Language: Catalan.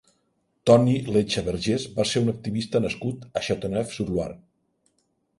Toni Lecha Berges va ser un activista nascut a Châteauneuf-sur-Loire.